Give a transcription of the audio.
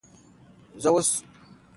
زه اوس د خپلې راتلونکې لوبې پلان جوړوم.